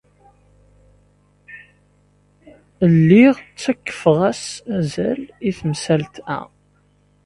Lliɣ ttakfeɣ-as azal i temsalt-a.